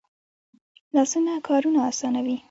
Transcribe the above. لاسونه کارونه آسانوي